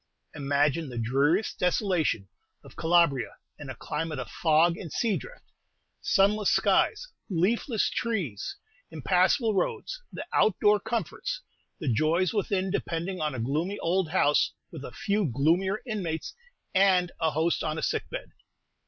Imagine the dreariest desolation of Calabria in a climate of fog and sea drift: sunless skies, leafless trees, impassable roads, the out door comforts; the joys within depending on a gloomy old house, with a few gloomier inmates, and a host on a sick bed.